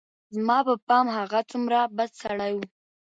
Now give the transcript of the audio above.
زما په پام هغه څومره بد سړى و.